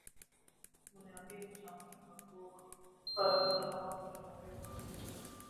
بنیادی انسانی حقوق کا احترام جمہوریت کا حصہ ہے۔